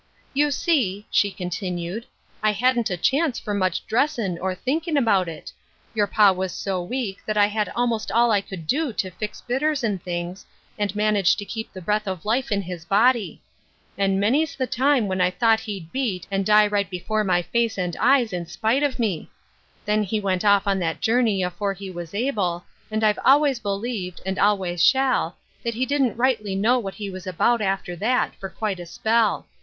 " You see," she continued, ^ I hadn't a chance for much dressin' or thinkin' about it ; your pa was so weak that I had about all I could d i to fix bitters and things, and manage tc keep the breath of life in his body. And many'? the time when I thought he'd beat, and die ight 66 Ruth JErskines Crosses. before my face and eyes in spite of me. Then he went off on that journey afore he was able, and I've always believed, and always shall, that he didn't rightly know what he was about after that, for quite a spell.